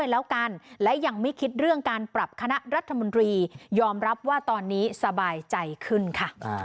แล้วกันและยังไม่คิดเรื่องการปรับคณะรัฐมนตรียอมรับว่าตอนนี้สบายใจขึ้นค่ะ